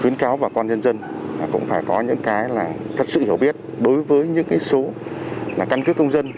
khuyến cáo bà con nhân dân cũng phải có những cái là thật sự hiểu biết đối với những số căn cứ công dân